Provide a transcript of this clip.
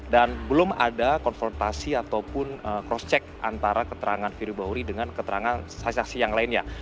dan belum ada konfrontasi ataupun cross check antara keterangan firly bahuri dengan keterangan saksi saksi yang lainnya